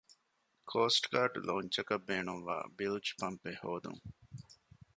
ކޯސްޓްގާޑް ލޯންޗަކަށް ބޭނުންވާ ބިލްޖް ޕަމްޕެއް ހޯދުން